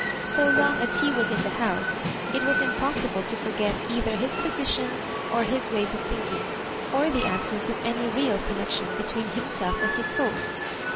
So long as he was in the house it was impossible to forget either his position or bis ways of thinking, or the absence of any real connection between himself and his hosta.